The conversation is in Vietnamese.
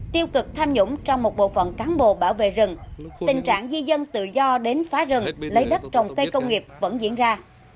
tiêu cực tham nhũng trong một bộ phận cán bộ bảo vệ rừng tình trạng di dân tự do đến phá rừng lấy đất trồng cây công nghiệp vẫn diễn ra